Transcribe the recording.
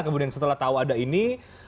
kemudian setelah tahu ada ini